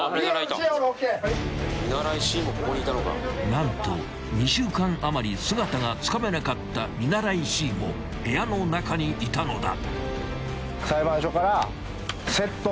［何と２週間余り姿がつかめなかった見習いＣも部屋の中にいたのだ！］